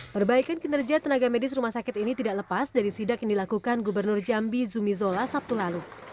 perbaikan kinerja tenaga medis rumah sakit ini tidak lepas dari sidak yang dilakukan gubernur jambi zumi zola sabtu lalu